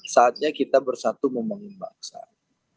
saatnya kita bersatu memengimbangkan